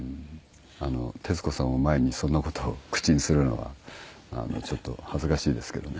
徹子さんを前にそんな事を口にするのはちょっと恥ずかしいですけどね